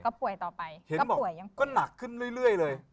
ก็ป่วยต่อไปก็ป่วยยังป่วยก็หนักขึ้นเรื่อยเลย